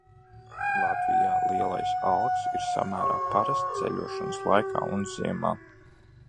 Latvijā lielais alks ir samērā parasts ceļošanas laikā un ziemā.